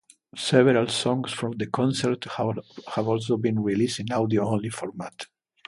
Several songs from the concert have also been released in audio-only format.